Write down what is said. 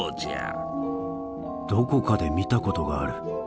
どこかで見たことがある。